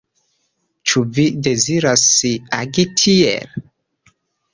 Ĉu vi deziras agi tiel?